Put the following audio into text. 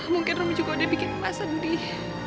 mungkin rom juga udah bikin mak sendih